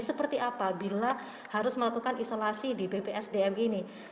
seperti apa bila harus melakukan isolasi di bpsdm ini